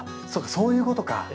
そういうことか。